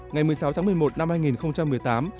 ngày một mươi sáu tháng một mươi một năm hai nghìn một mươi tám